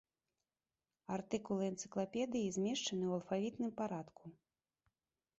Артыкулы энцыклапедыі змешчаны ў алфавітным парадку.